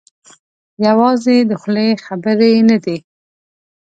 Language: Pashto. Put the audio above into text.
یوازې د خولې خبرې نه دي.